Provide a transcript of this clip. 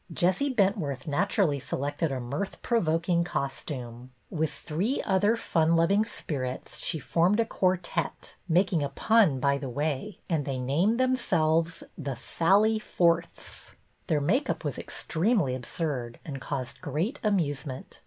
Jessie Bentworth naturally selected a mirth provoking costume. With three other fun 16 242 BETTY BAIRD loving spirits she formed a quartette, — making a pun by the way, — and they named themselves " The Sally Fourths." Their make up was extremely absurd and caused great amusement.